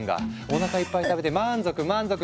おなかいっぱい食べて満足満足。